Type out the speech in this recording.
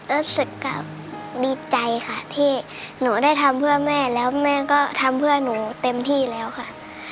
รู้สึกก็ดีใจค่ะที่หนูได้ทำเพื่อแม่แล้วแม่ก็ทำเพื่อหนูเต็มที่แล้วค่ะ